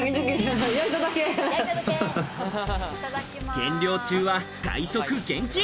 減量中は外食厳禁。